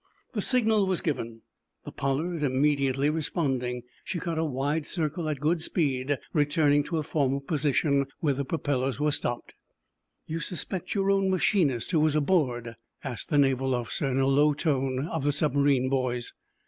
The signal was given, the "Pollard" immediately responding. She cut a wide circle, at good speed, returning to her former position, where the propellers were stopped. "You suspect your own machinist, who was aboard?" asked the naval officer, in a low tone, of the submarine boys.